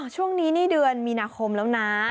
ช่วงนี้นี่เดือนมีนาคมแล้วนะ